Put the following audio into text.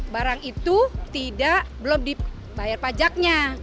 barang itu belum dibayar pajaknya